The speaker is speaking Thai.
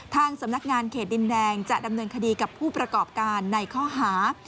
ทางสำนักงานเขตดินแดงจะดำเนินคดีกับผู้ประกอบการในข้อหา